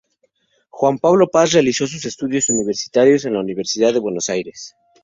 Juan Pablo Paz realizó sus estudios universitarios en la Universidad de Buenos Aires.